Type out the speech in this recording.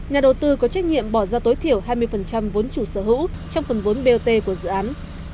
nhà đầu tư có trách nhiệm bỏ ra tối thiểu hai mươi vốn chủ sở hữu trong phần vốn bot của dự án